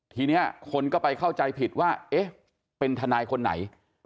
ทีนี้คนก็ไปเข้าใจผิดว่าเอ๊ะเป็นทนายคนไหน